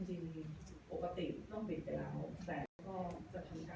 จะมีโภกติดต้องปิดได้แล้วแต่ก็จะทำการในภาคหลัง